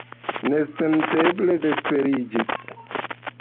Nesenteble vesperiĝis.